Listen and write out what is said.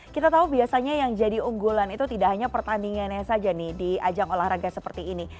kita tahu biasanya yang jadi unggulan itu tidak hanya pertandingannya saja nih di ajang olahraga seperti ini